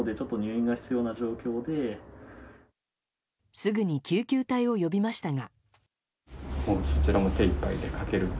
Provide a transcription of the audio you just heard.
すぐに救急隊を呼びましたが。